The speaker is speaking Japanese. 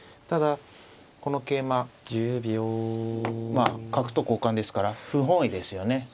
ただこの桂馬角と交換ですから不本意ですよね。